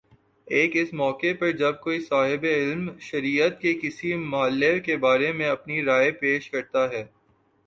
ایک اس موقع پر جب کوئی صاحبِ علم شریعت کے کسی مئلے کے بارے میں اپنی رائے پیش کرتا ہے